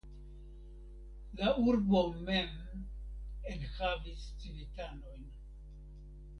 La urbo mem en havis civitanojn.